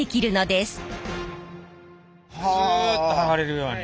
すっとはがれるように。